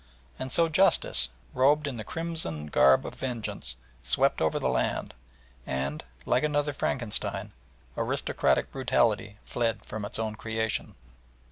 and so Justice, robed in the crimson garb of Vengeance, swept over the land and, like another Frankenstein, aristocratic brutality fled from its own creation.